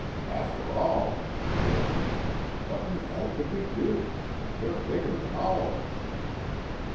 "After all," he told me, "what in hell could we do they're bigger than all of us."